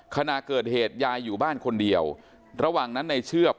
ขณะเกิดเหตุยายอยู่บ้านคนเดียวระหว่างนั้นในเชือก